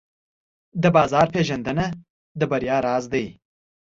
د بازار پېژندنه د بریا راز دی.